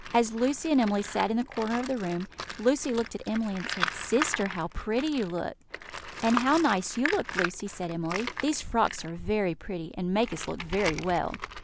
As Lucy and Emily sat in the corner of the room, Lucy looked at Emily, and said: "Sister, how pretty you look!" "And how nice you look, Lucy!" said Emily. "These frocks are very pretty, and make us look very well."